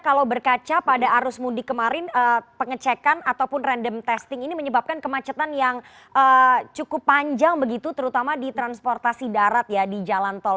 kalau berkaca pada arus mudik kemarin pengecekan ataupun random testing ini menyebabkan kemacetan yang cukup panjang begitu terutama di transportasi darat ya di jalan tol